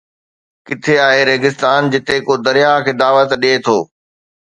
ڪٿي آهي ريگستان جتي ڪو درياهه کي دعوت ڏئي ٿو